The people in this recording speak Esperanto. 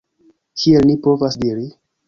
Kiel ni povas diri?